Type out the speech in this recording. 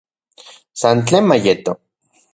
San tlen mayeto